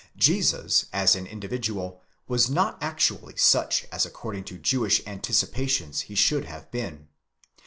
Jesus as an individual was not actually such as according to Jewish anticipations he should have been.